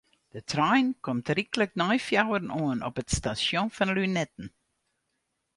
De trein komt ryklik nei fjouweren oan op it stasjon fan Lunetten.